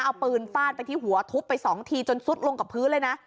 เอาปืนฟาดไปที่หัวทุบไปสองทีจนซุดลงกับพื้นเลยนะ